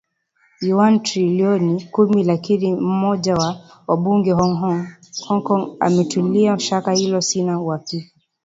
yuan trilioni kumi lakini mmoja wa wabunge Hong Kong ametilia shaka hilo Sina uhakika